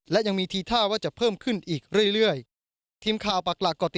และยังมีทีท่าว่าจะเพิ่มขึ้นอีกเรื่อยเรื่อยทีมข่าวปากหลักก่อติด